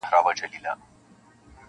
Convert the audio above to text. د غرمې پر مهال ږغ د نغارو سو-